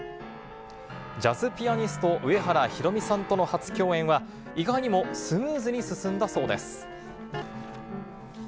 ジャズピアニスト、上原ひろみさんとの初共演は、意外にもスムーズに進んだそうです。